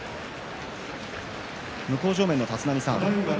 向正面の立浪さん